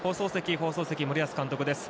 放送席森保監督です。